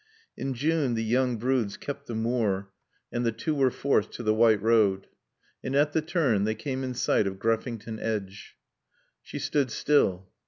In June the young broods kept the moor and the two were forced to the white road. And at the turn they came in sight of Greffington Edge. She stood still.